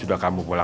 aku harus mencoba